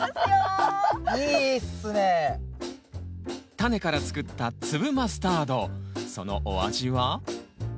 タネから作った粒マスタードそのお味は？